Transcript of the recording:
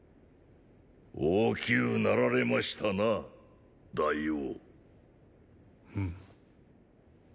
大きゅうなられましたな大王。！